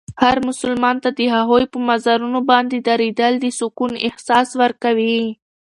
هر مسلمان ته د هغوی په مزارونو باندې درېدل د سکون احساس ورکوي.